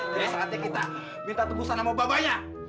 jadi saatnya kita minta tegusan sama babanya